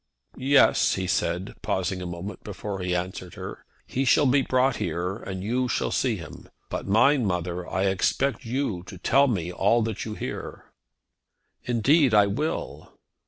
"Yes," he said, pausing a moment before he answered her. "He shall be brought here, and you shall see him. But mind, mother, I shall expect you to tell me all that you hear." "Indeed, I will."